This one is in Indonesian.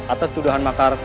atas tuduhan makar